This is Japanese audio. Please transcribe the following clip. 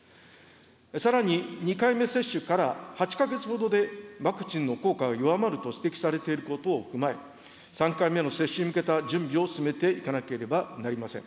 さらに、２回目接種から８か月ほどでワクチンの効果は弱まると指摘されていることを踏まえ、３回目の接種に向けた準備を進めていかなければなりません。